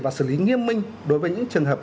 và xử lý nghiêm minh đối với những trường hợp